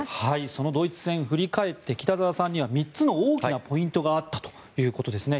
そのドイツ戦振り返って北澤さんには３つの大きなポイントがあったということですね。